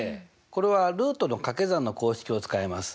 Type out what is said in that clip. これはルートの掛け算の公式を使います。